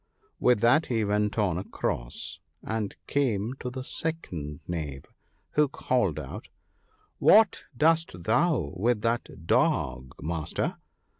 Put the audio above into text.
" With that he went on a coss ( 10fl ), and came to the second knave; who called out — "What doest thou with that dog, Master